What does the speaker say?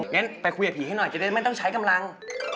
งั้นไปคุยกับผีให้หน่อยจะได้ไม่ต้องใช้กำลัง